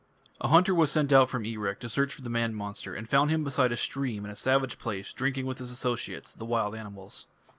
A hunter was sent out from Erech to search for the man monster, and found him beside a stream in a savage place drinking with his associates, the wild animals.